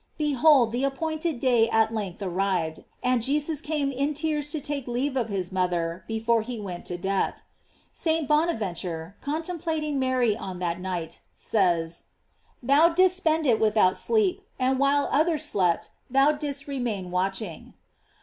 * Behold, the ap< pointed day at length arrived, and Jesus cams in tears to take leave of his mother before ha went to death. St. Bonaventure, contemplating Mary on that night, says: Thou didst spend it without sleep, and while others slept, thou didst remain watching.